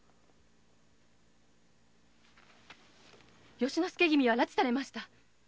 由之助君は拉致されました。